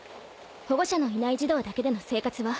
保護者のいない児童だけでの生活は。